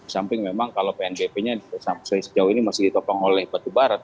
samping memang kalau pnbp nya sejauh ini masih ditopang oleh batu barat